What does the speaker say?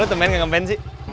lu temen gak ngeband sih